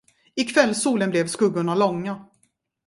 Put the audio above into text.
I kvällssolen blev skuggorna långa.